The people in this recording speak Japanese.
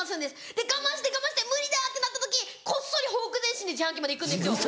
で我慢して我慢して無理だってなった時こっそりほふく前進で自販機まで行くんですよ。